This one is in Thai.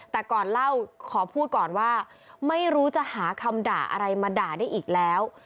แต่ก่อนเล่าขอพูดก่อนว่าไม่รู้จะหาคำด่าอะไรมาด่าได้อีกแล้ว